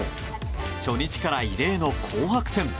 初日から異例の紅白戦。